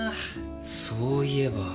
そういえば。